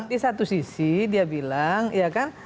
di satu sisi dia bilang ya kan